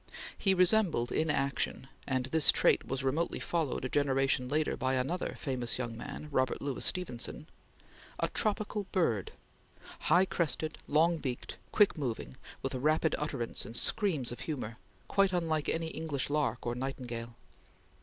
He resembled in action and in this trait, was remotely followed, a generation later, by another famous young man, Robert Louis Stevenson a tropical bird, high crested, long beaked, quick moving, with rapid utterance and screams of humor, quite unlike any English lark or nightingale.